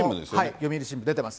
読売新聞に出ています。